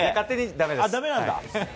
だめなんだ。